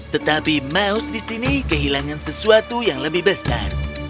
tetapi moose di sini kehilangan sesuatu yang lebih besar